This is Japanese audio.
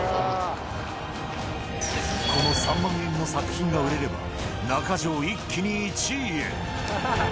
この３万円の作品が売れれば、中城、一気に１位へ。